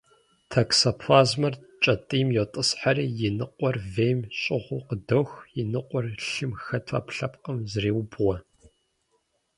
Токсоплазмэр кӏэтӏийм йотӏысхьэри, и ныкъуэр вейм щӏыгъуу къыдох, и ныкъуэр лъым хэту ӏэпкълъэпкъым зреубгъуэ.